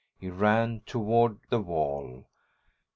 He ran toward the wall.